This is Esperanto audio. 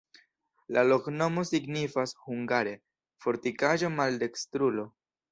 La loknomo signifas hungare: fortikaĵo-maldekstrulo.